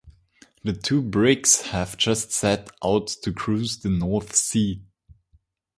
The two brigs had just set out to cruise the North Sea.